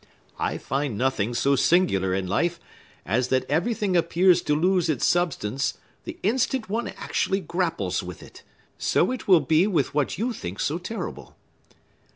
I find nothing so singular in life, as that everything appears to lose its substance the instant one actually grapples with it. So it will be with what you think so terrible."